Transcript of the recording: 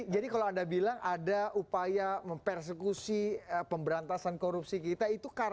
jadi kalau anda bilang ada upaya mempersekusi pemberantasan korupsi kita